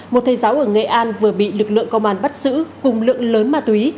một thầy giáo ở nghệ an vừa bị lực lượng công an bắt giữ cùng lượng lớn ma túy